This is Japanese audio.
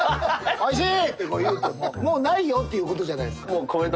「おいしい！」って言うと「もうないよ」っていう事じゃないですか？